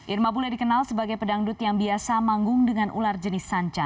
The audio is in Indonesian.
irma bule dikenal sebagai pedangdut yang biasa manggung dengan ular jenis sanca